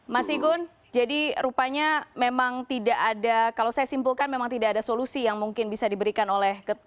mas igun jadi rupanya memang tidak ada kalau saya simpulkan memang tidak ada solusi yang mungkin bisa diberikan oleh